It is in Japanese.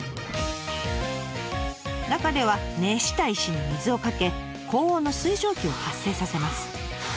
中では熱した石に水をかけ高温の水蒸気を発生させます。